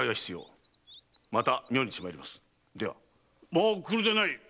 もう来るでない！